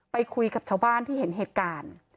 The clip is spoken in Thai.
ไปคุยกับชาวบ้านที่เห็นเหตุการณ์